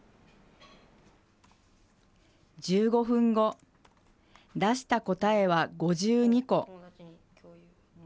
１５分後、出した答えは５２個。